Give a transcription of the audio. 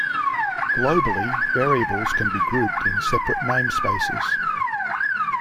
Globally, variables can be grouped in separate namespaces.